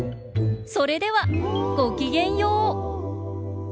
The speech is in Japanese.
それではごきげんよう。